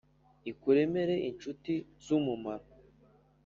Ikuremere inshuti zumumaro